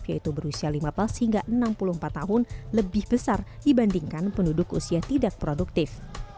yaitu berusia lima belas hingga enam puluh empat tahun lebih besar dibandingkan penduduk usia tidak produktif